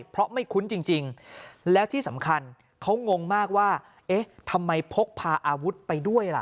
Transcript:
เพราะไม่คุ้นจริงแล้วที่สำคัญเขางงมากว่าเอ๊ะทำไมพกพาอาวุธไปด้วยล่ะ